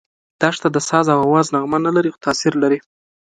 دښته د ساز او آواز نغمه نه لري، خو تاثیر لري.